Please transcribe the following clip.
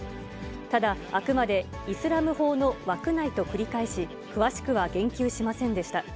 ただ、あくまでイスラム法の枠内と繰り返し、詳しくは言及しませんでした。